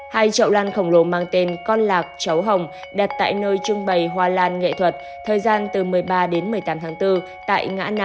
hai chậu lan khổng lồ mang tên con lạc cháu hồng đặt tại nơi trưng bày hoa lan nghệ thuật thời gian từ một mươi ba đến một mươi tám tháng bốn tại ngã năm